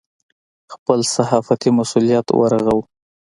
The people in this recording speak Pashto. خپل صحافتي مسوولیت ورغوو.